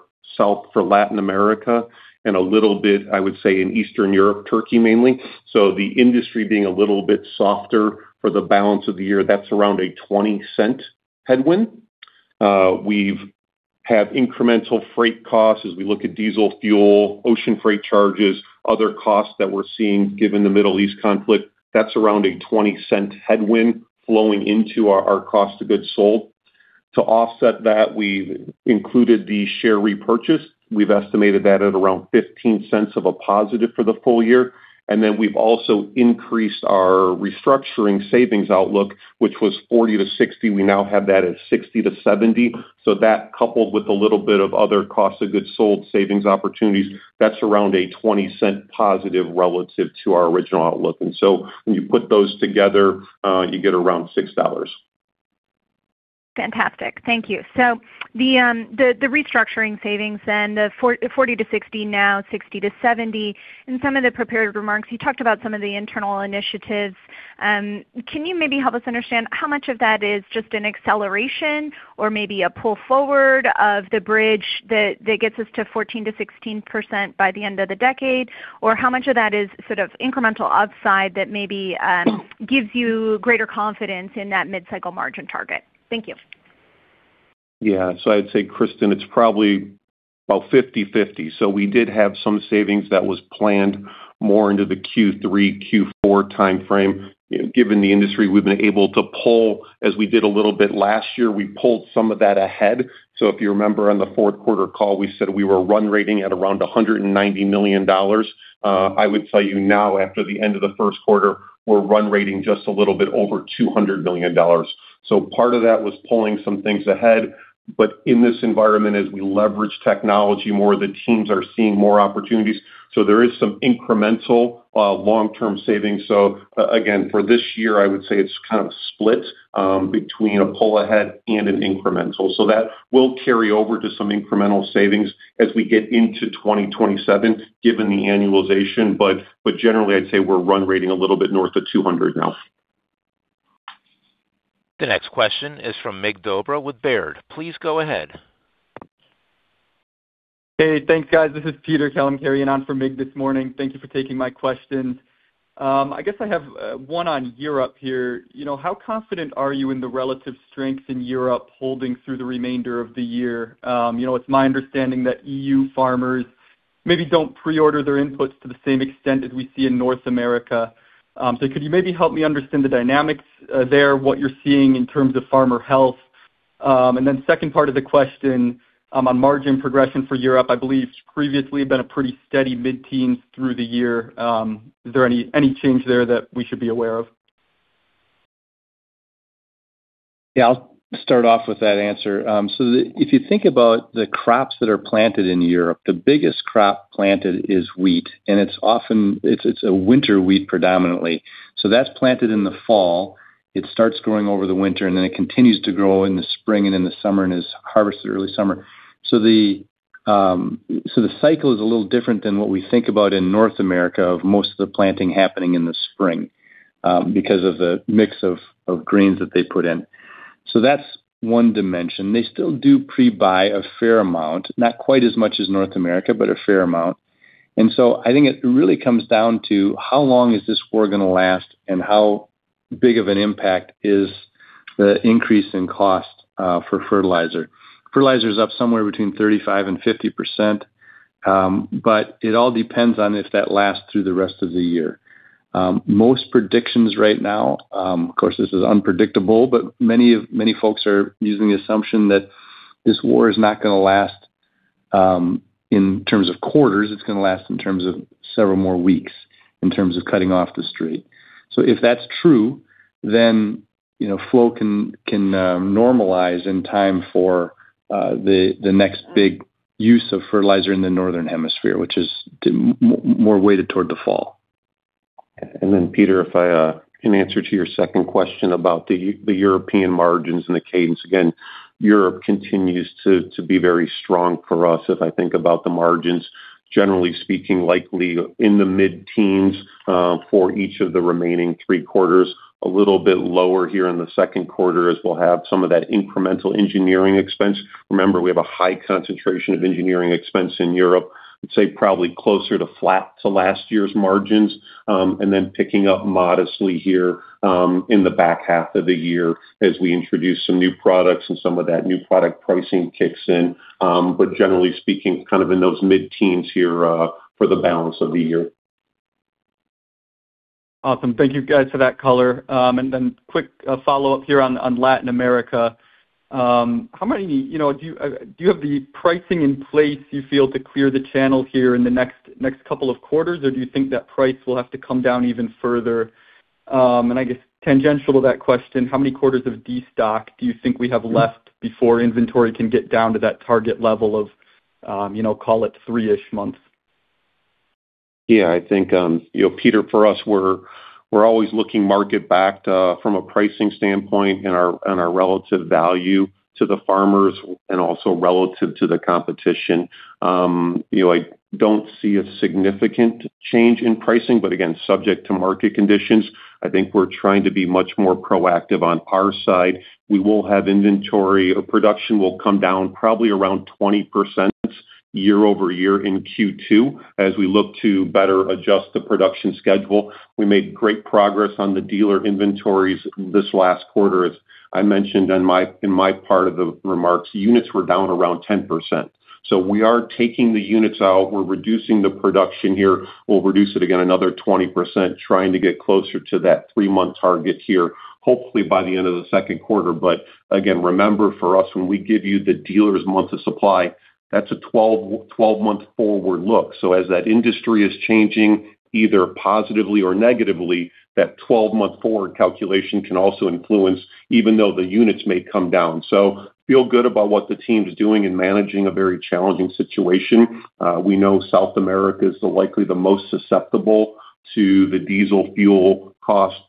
Latin America and a little bit, I would say, in Eastern Europe, Turkey mainly. The industry being a little bit softer for the balance of the year, that's around a $0.20 headwind. We've had incremental freight costs as we look at diesel fuel, ocean freight charges, other costs that we're seeing given the Middle East conflict. That's around a $0.20 headwind flowing into our cost of goods sold. To offset that, we've included the share repurchase. We've estimated that at around $0.15 of a positive for the full year. We've also increased our restructuring savings outlook, which was $40-$60. We now have that at $60-$70. That coupled with a little bit of other cost of goods sold savings opportunities, that's around a $0.20 positive relative to our original outlook. When you put those together, you get around $6.00. Fantastic. Thank you. The restructuring savings and the $40-$60, now $60-$70. In some of the prepared remarks, you talked about some of the internal initiatives. Can you maybe help us understand how much of that is just an acceleration or maybe a pull forward of the bridge that gets us to 14%-16% by the end of the decade or how much of that is sort of incremental upside that maybe gives you greater confidence in that mid-cycle margin target? Thank you. I'd say, Kristen, it's probably about 50/50. We did have some savings that was planned more into the Q3, Q4 timeframe. Given the industry, we've been able to pull, as we did a little bit last year, we pulled some of that ahead. If you remember on the fourth quarter call, we said we were run rating at around $190 million. I would tell you now after the end of the first quarter, we're run rating just a little bit over $200 million. Part of that was pulling some things ahead. In this environment, as we leverage technology more, the teams are seeing more opportunities. There is some incremental long-term savings. Again, for this year, I would say it's kind of split between a pull ahead and an incremental. That will carry over to some incremental savings as we get into 2027 [given the annualization. But] generally, I'd say we're run rating a little bit north of $200 now. The next question is from Mig Dobre with Baird. Please go ahead. Hey, thanks, guys. This is Peter Kalemkarian carrying on for Mig this morning. Thank you for taking my questions. I guess I have one on Europe here. You know, how confident are you in the relative strength in Europe holding through the remainder of the year? You know, it's my understanding that EU farmers maybe don't pre-order their inputs to the same extent as we see in North America. Could you maybe help me understand the dynamics there, what you're seeing in terms of farmer health? Then second part of the question, on margin progression for Europe, I believe previously been a pretty steady mid-teens through the year. Is there any change there that we should be aware of? [Yeah,] I'll start off with that answer. If you think about the crops that are planted in Europe, the biggest crop planted is wheat, and it's often it's a winter wheat predominantly. That's planted in the fall. It starts growing over the winter, and then it continues to grow in the spring and in the summer and is harvested early summer. The cycle is a little different than what we think about in North America of most of the planting happening in the spring because of the mix of grains that they put in. That's one dimension. They still do pre-buy a fair amount, not quite as much as North America, but a fair amount. I think it really comes down to how long is this war gonna last and how big of an impact is the increase in cost for fertilizer. Fertilizer is up somewhere between 35% and 50%, but it all depends on if that lasts through the rest of the year. Most predictions right now, of course, this is unpredictable, but many folks are using the assumption that this war is not gonna last in terms of quarters, it's gonna last in terms of several more weeks in terms of cutting off the strait. If that's true, then, you know, flow can normalize in time for the next big use of fertilizer in the northern hemisphere, which is more weighted toward the fall. [Then] Peter, if I, in answer to your second question about the European margins and the cadence. Europe continues to be very strong for us as I think about the margins. Generally speaking, likely in the mid-teens%, for each of the remaining 3 quarters, a little bit lower here in the 2nd quarter as we'll have some of that incremental engineering expense. Remember, we have a high concentration of engineering expense in Europe. I'd say probably closer to flat to last year's margins, and then picking up modestly here, in the back half of the year as we introduce some new products and some of that new product pricing kicks in. [But] generally speaking, kind of in those mid-teens% here, for the balance of the year. Awesome. Thank you guys for that color. Quick, follow-up here on Latin America. How many, you know, do you have the pricing in place you feel to clear the channel here in the next couple of quarters, or do you think that price will have to come down even further? I guess tangential to that question, how many quarters of Destock do you think we have left before inventory can get down to that target level of, you know, call it 3-ish months? Yeah, I think, you know, Peter, for us, we're always looking market back from a pricing standpoint and our, and our relative value to the farmers and also relative to the competition. You know, I don't see a significant change in pricing, but again, subject to market conditions. I think we're trying to be much more proactive on our side. We will have inventory. Our production will come down probably around 20% year-over-year in Q2 as we look to better adjust the production schedule. We made great progress on the dealer inventories this last quarter. As I mentioned in my part of the remarks, units were down around 10%. We are taking the units out. We're reducing the production here. We'll reduce it again another 20%, trying to get closer to that three-month target here, hopefully by the end of the second quarter. [But] again, remember for us, when we give you the dealers' months of supply, that's a 12-month forward look. As that industry is changing either positively or negatively, that 12-month forward calculation can also influence even though the units may come down. Feel good about what the team's doing in managing a very challenging situation. We know South America is likely the most susceptible to the diesel fuel cost,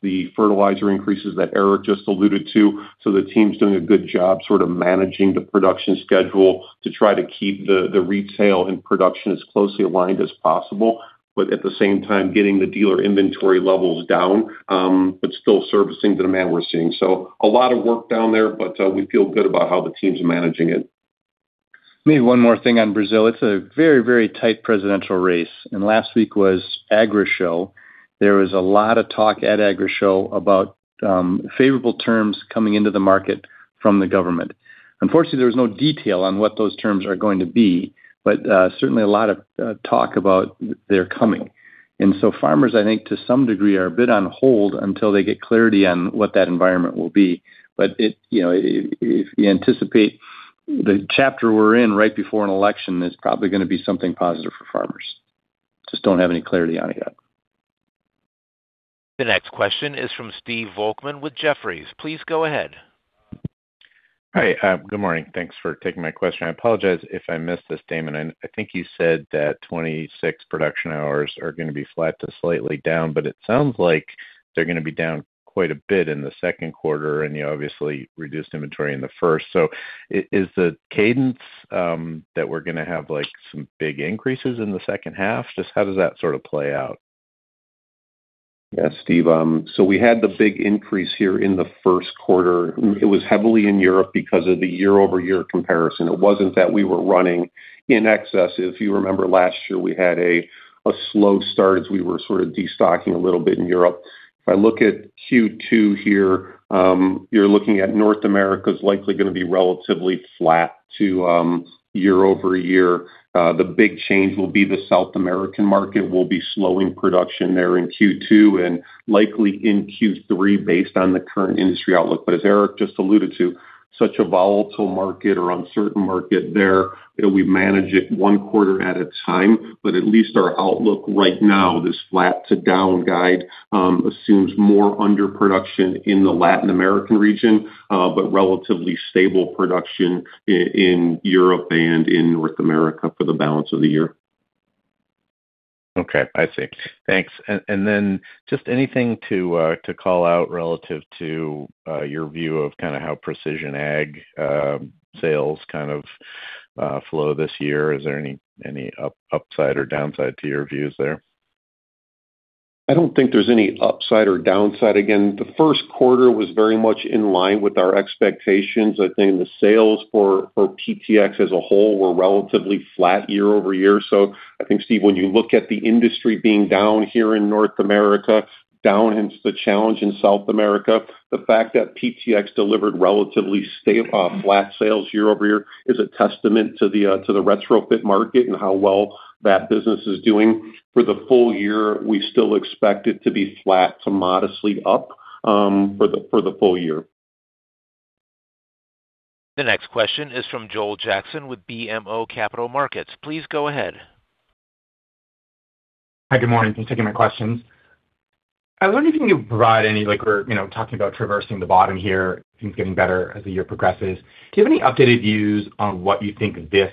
the fertilizer increases that Eric just alluded to. The team's doing a good job sort of managing the production schedule to try to keep the retail and production as closely aligned as possible. [But] at the same time, getting the dealer inventory levels down, but still servicing the demand we're seeing. A lot of work down there, but we feel good about how the team's managing it. Maybe one more thing on Brazil. It's a very, very tight presidential race, and last week was Agrishow. There was a lot of talk at Agrishow about favorable terms coming into the market from the government. Unfortunately, there was no detail on what those terms are going to be, but certainly a lot of talk about they're coming. Farmers, I think to some degree, are a bit on hold until they get clarity on what that environment will be. You know, if you anticipate the chapter we're in right before an election is probably gonna be something positive for farmers. Just don't have any clarity on it yet. The next question is from Stephen Volkmann with Jefferies. Please go ahead. Hi. Good morning. Thanks for taking my question. I apologize if I missed this, Damon. I think you said that 2026 production hours are going to be flat to slightly down, but it sounds like they're going to be down quite a bit in the second quarter, and you obviously reduced inventory in the first. Is the cadence that we're going to have, like, some big increases in the second half? Just how does that sort of play out? Steve. We had the big increase here in the 1st quarter. It was heavily in Europe because of the year-over-year comparison. It wasn't that we were running in excess. If you remember last year, we had a slow start as we were sort of destocking a little bit in Europe. If I look at Q2 here, you're looking at North America's likely gonna be relatively flat to year-over-year. The big change will be the South American market will be slowing production there in Q2 and likely in Q3 based on the current industry outlook. As Eric just alluded to, such a volatile market or uncertain market there, you know, we manage it one quarter at a time. At least our outlook right now, this flat to down guide, assumes more underproduction in the Latin American region, but relatively stable production in Europe and in North America for the balance of the year. Okay. I see. Thanks. Just anything to call out relative to your view of kinda how precision ag sales kind of flow this year. Is there any upside or downside to your views there? I don't think there's any upside or downside. Again, the 1st quarter was very much in line with our expectations. I think the sales for PTX as a whole were relatively flat year-over-year. I think, Steve, when you look at the industry being down here in North America, down hence the challenge in South America, the fact that PTX delivered relatively flat sales year-over-year is a testament to the retrofit market and how well that business is doing. For the full year, we still expect it to be flat to modestly up for the full year. The next question is from Joel Jackson with BMO Capital Markets. Please go ahead. Hi. Good morning. Thanks for taking my questions. I was wondering if you could provide any, like we're, you know, talking about traversing the bottom here, things getting better as the year progresses. Do you have any updated views on what you think this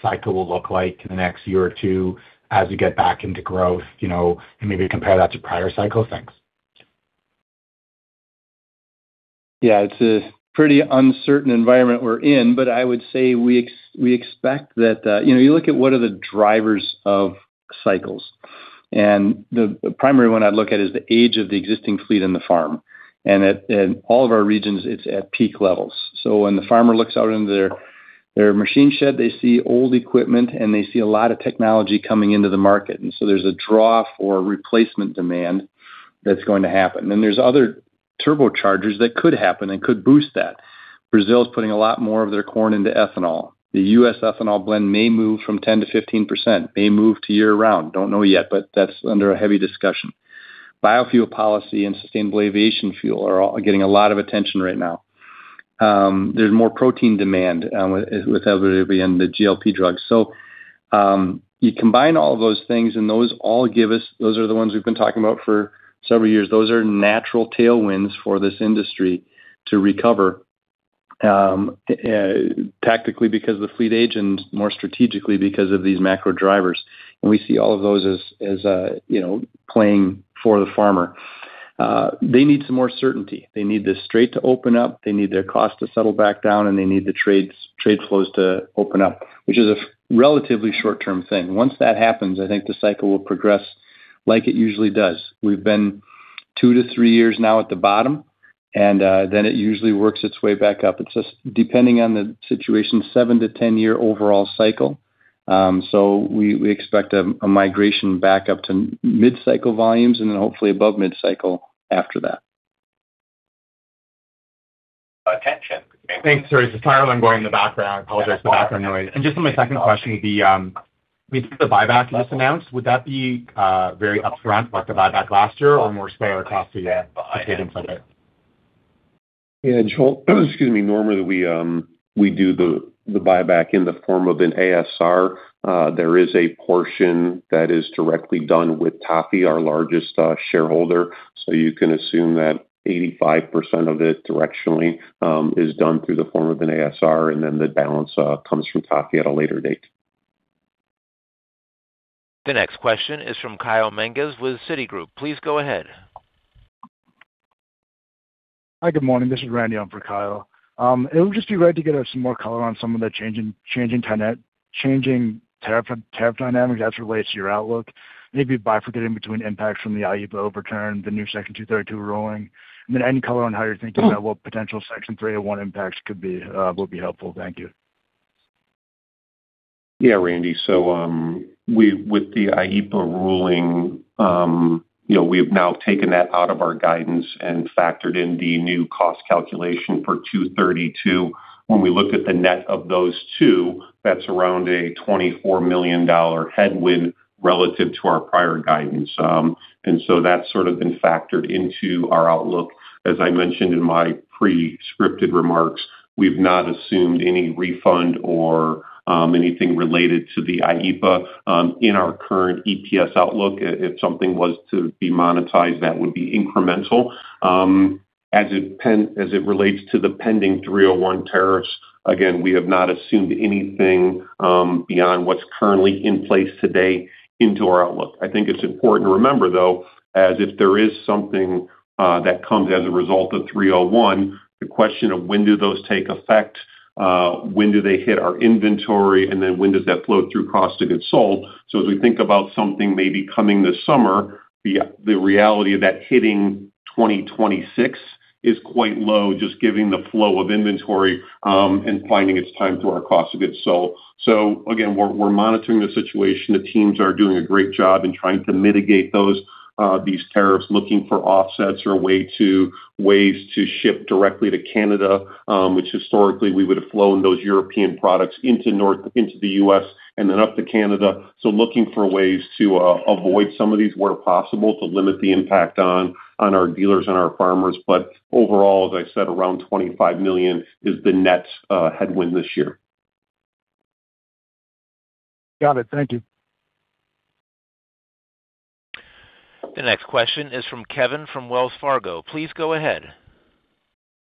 cycle will look like in the next year or two as we get back into growth, you know, and maybe compare that to prior cycles? Thanks. Yeah. It's a pretty uncertain environment we're in, but I would say we expect that, you know, you look at what are the drivers of cycles, and the primary one I'd look at is the age of the existing fleet in the farm. In all of our regions, it's at peak levels. When the farmer looks out into their machine shed, they see old equipment, and they see a lot of technology coming into the market. There's a draw for replacement demand that's going to happen. There's other turbochargers that could happen and could boost that. Brazil is putting a lot more of their corn into ethanol. The U.S. ethanol blend may move from 10%-15%, may move to year-round. Don't know yet, but that's under a heavy discussion. Biofuel policy and sustainable aviation fuel are all getting a lot of attention right now. There's more protein demand with everybody and the GLP-1 drugs. You combine all of those things. Those are the ones we've been talking about for several years. Those are natural tailwinds for this industry to recover tactically because of the fleet age and more strategically because of these macro drivers. We see all of those as, you know, playing for the farmer. They need some more certainty. They need the strait to open up. They need their cost to settle back down, and they need the trade flows to open up, which is a relatively short-term thing. Once that happens, I think the cycle will progress like it usually does. We've been 2 to 3 years now at the bottom. It usually works its way back up. It's just depending on the situation, 7-10 year overall cycle. We expect a migration back up to mid-cycle volumes hopefully above mid-cycle after that. Attention. Thanks, sorry, Tyler, I'm going in the background. I apologize for the background noise. Just on my second question would be, with the buyback just announced, would that be very upfront like the buyback last year or more spread across the year ahead into it? Yeah, Joel, excuse me, normally we do the buyback in the form of an ASR. There is a portion that is directly done with TAFE, our largest shareholder. You can assume that 85% of it directionally is done through the form of an ASR and then the balance comes from TAFE at a later date. The next question is from Kyle Menges with Citigroup. Please go ahead. Hi, good morning. This is Randy on for Kyle Menges. It would just be great to get some more color on some of the changing tariff dynamics as it relates to your outlook. Maybe bifurcating between impacts from the IEEPA overturn, the new Section 232 ruling. Any color on how you're thinking about what potential Section 301 impacts could be, will be helpful. Thank you. Randy. With the IEEPA ruling, you know, we've now taken that out of our guidance and factored in the new cost calculation for 232. When we look at the net of those two, that's around a $24 million headwind relative to our prior guidance. That's sort of been factored into our outlook. As I mentioned in my pre-scripted remarks, we've not assumed any refund or anything related to the IEEPA in our current EPS outlook. If something was to be monetized, that would be incremental. As it relates to the pending 301 tariffs, again, we have not assumed anything beyond what's currently in place today into our outlook. I think it's important to remember, though, as if there is something that comes as a result of Section 301, the question of when do those take effect, when do they hit our inventory, and then when does that flow through cost of goods sold. As we think about something maybe coming this summer, the reality of that hitting 2026 is quite low, just giving the flow of inventory, and finding its time to our cost of goods sold. Again, we're monitoring the situation. The teams are doing a great job in trying to mitigate those, these tariffs, looking for offsets or ways to ship directly to Canada, which historically we would have flown those European products into the U.S. and then up to Canada. Looking for ways to avoid some of these where possible to limit the impact on our dealers and our farmers. Overall, as I said, around $25 million is the net headwind this year. Got it. Thank you. The next question is from Kevin from Wells Fargo. Please go ahead.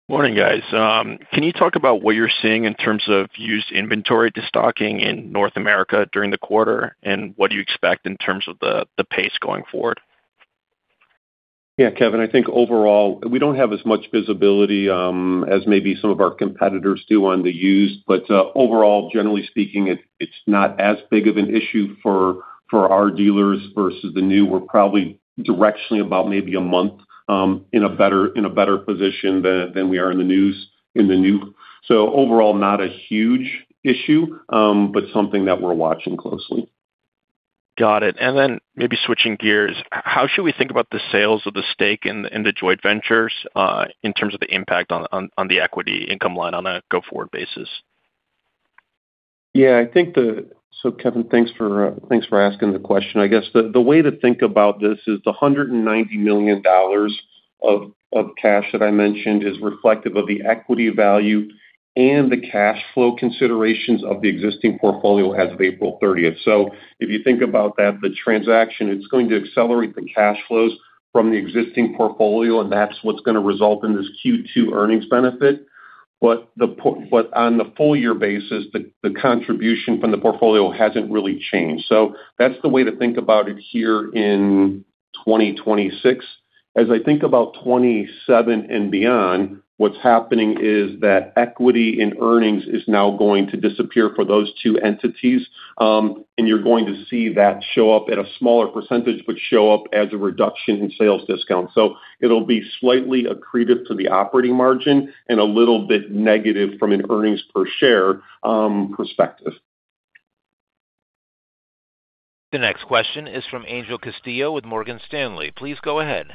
Morning, guys. Can you talk about what you're seeing in terms of used inventory de-stocking in North America during the quarter, and what do you expect in terms of the pace going forward? Yeah, Kevin, I think overall we don't have as much visibility as maybe some of our competitors do on the used, but overall, generally speaking, it's not as big of an issue for our dealers versus the new. We're probably directionally about maybe a month in a better position than we are in the new. Overall, not a huge issue, but something that we're watching closely. Got it. Then maybe switching gears, how should we think about the sales of the stake in the joint ventures, in terms of the impact on the equity income line on a go-forward basis? Kevin, thanks for asking the question. I guess the way to think about this is the $190 million of cash that I mentioned is reflective of the equity value and the cash flow considerations of the existing portfolio as of April 30th. If you think about that, the transaction, it's going to accelerate the cash flows from the existing portfolio, and that's what's gonna result in this Q2 earnings benefit. On the full year basis, the contribution from the portfolio hasn't really changed. That's the way to think about it here in 2026. As I think about 2027 and beyond, what's happening is that equity in earnings is now going to disappear for those two entities. You're going to see that show up at a smaller percentage, but show up as a reduction in sales discount. It'll be slightly accretive to the operating margin and a little bit negative from an earnings per share perspective. The next question is from Angel Castillo with Morgan Stanley. Please go ahead.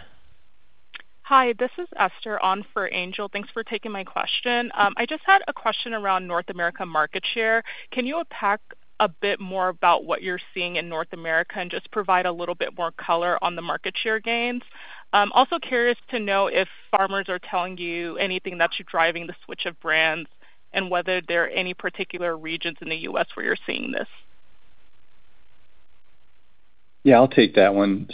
Hi, this is Esther on for Angel. Thanks for taking my question. I just had a question around North America market share. Can you unpack a bit more about what you're seeing in North America and just provide a little bit more color on the market share gains? Curious to know if farmers are telling you anything that's driving the switch of brands and whether there are any particular regions in the U.S. where you're seeing this. Yeah, I'll take that one.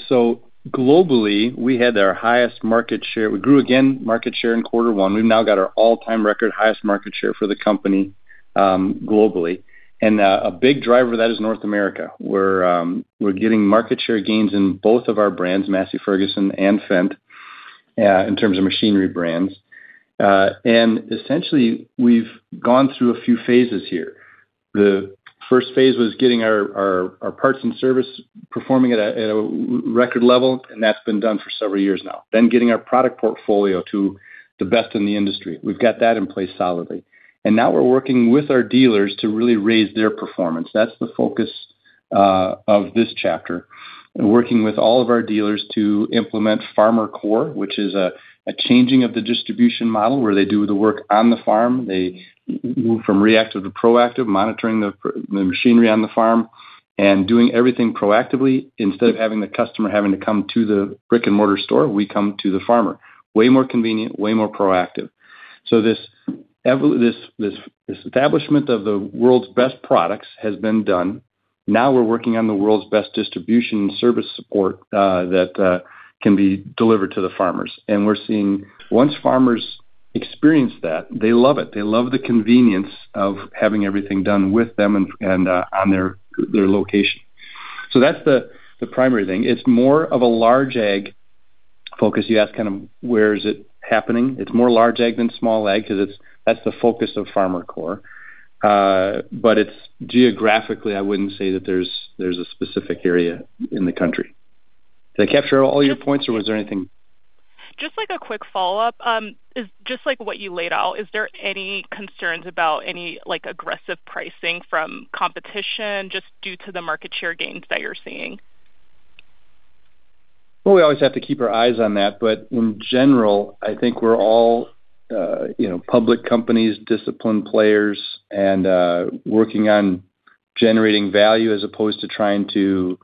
Globally, we had our highest market share. We grew again market share in Q1. We've now got our all-time record highest market share for the company, globally. A big driver of that is North America, where we're getting market share gains in both of our brands, Massey Ferguson and Fendt, in terms of machinery brands. Essentially, we've gone through a few phases here. The first phase was getting our parts and service performing at a record level, and that's been done for several years now. Getting our product portfolio to the best in the industry. We've got that in place solidly. Now we're working with our dealers to really raise their performance. That's the focus of this chapter. We're working with all of our dealers to implement FarmerCore, which is a changing of the distribution model where they do the work on the farm. They move from reactive to proactive, monitoring the machinery on the farm and doing everything proactively. Instead of having the customer having to come to the brick-and-mortar store, we come to the farmer. Way more convenient, way more proactive. This establishment of the world's best products has been done. Now we're working on the world's best distribution and service support that can be delivered to the farmers. We're seeing once farmers experience that, they love it. They love the convenience of having everything done with them and on their location. That's the primary thing. It's more of a large ag focus. You asked kind of where is it happening. It's more large ag than small ag 'cause that's the focus of FarmerCore. It's geographically, I wouldn't say that there's a specific area in the country. Did I capture all your points? Just like a quick follow-up. Is just like what you laid out, is there any concerns about any, like, aggressive pricing from competition just due to the market share gains that you're seeing? Well, we always have to keep our eyes on that. In general, I think we're all, you know, public companies, disciplined players and working on generating value as opposed to trying to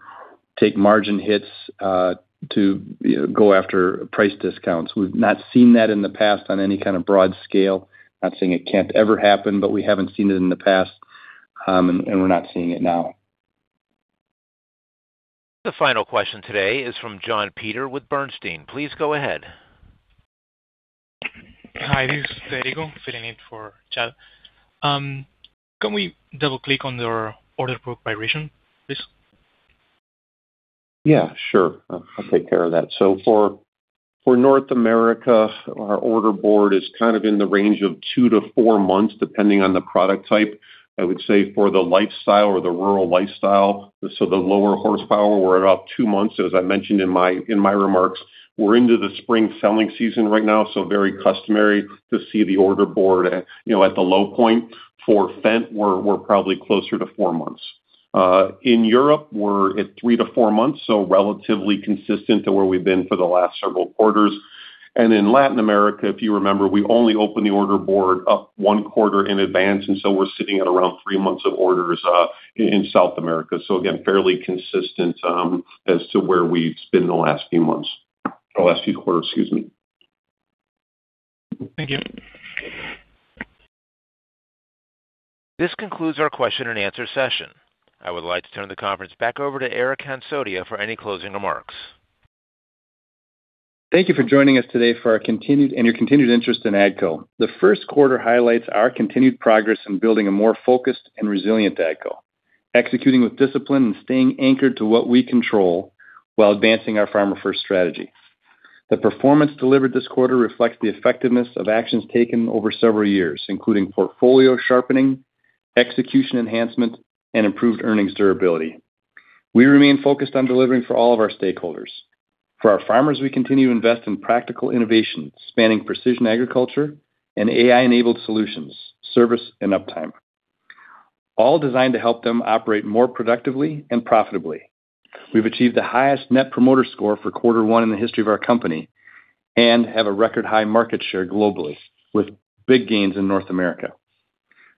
take margin hits to, you know, go after price discounts. We've not seen that in the past on any kind of broad scale. Not saying it can't ever happen, but we haven't seen it in the past, and we're not seeing it now. The final question today is from John Peter with Bernstein. Please go ahead. Hi, this is Erigo filling in for Chad. Can we double-click on your order book by region, please? Yeah, sure. I'll take care of that. For North America, our order board is kind of in the range of two to four months, depending on the product type. I would say for the lifestyle or the rural lifestyle, so the lower horsepower, we're about two months. As I mentioned in my remarks, we're into the spring selling season right now, very customary to see the order board, you know, at the low point. For Fendt, we're probably closer to four months. In Europe, we're at three to four months, relatively consistent to where we've been for the last several quarters. In Latin America, if you remember, we only open the order board up one quarter in advance, we're sitting at around three months of orders in South America. Again, fairly consistent, as to where we've been in the last few months. Last few quarters, excuse me. Thank you. This concludes our question and answer session. I would like to turn the conference back over to Eric Hansotia for any closing remarks. Thank you for joining us today for our continued and your continued interest in AGCO. The first quarter highlights our continued progress in building a more focused and resilient AGCO, executing with discipline and staying anchored to what we control while advancing our Farmer First strategy. The performance delivered this quarter reflects the effectiveness of actions taken over several years, including portfolio sharpening, execution enhancement, and improved earnings durability. We remain focused on delivering for all of our stakeholders. For our farmers, we continue to invest in practical innovations, spanning precision agriculture and AI-enabled solutions, service and uptime, all designed to help them operate more productively and profitably. We've achieved the highest Net Promoter Score for quarter one in the history of our company and have a record high market share globally, with big gains in North America.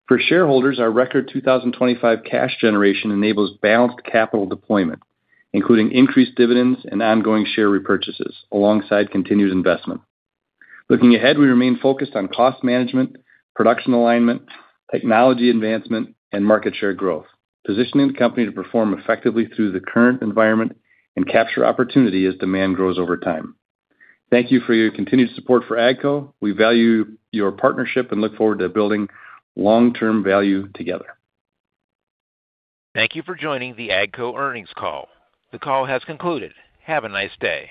For shareholders, our record 2025 cash generation enables balanced capital deployment, including increased dividends and ongoing share repurchases alongside continued investment. Looking ahead, we remain focused on cost management, production alignment, technology advancement, and market share growth, positioning the company to perform effectively through the current environment and capture opportunity as demand grows over time. Thank you for your continued support for AGCO. We value your partnership and look forward to building long-term value together. Thank you for joining the AGCO earnings call. The call has concluded. Have a nice day.